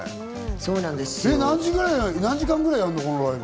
何時間ぐらいやるの？